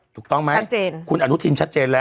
ถูกต้องมั้ย